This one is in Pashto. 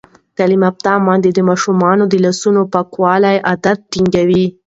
تعلیم یافته میندې د ماشومانو د لاسونو پاکولو عادت ټینګوي.